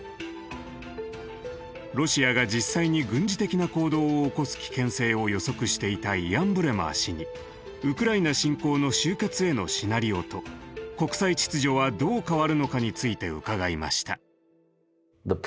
ロシアが実際に軍事的な行動を起こす危険性を予測していたイアン・ブレマー氏にウクライナ侵攻の終結へのシナリオと国際秩序はどう変わるのかについて伺いました。